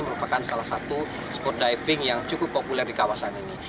merupakan salah satu sport diving yang cukup populer di kawasan ini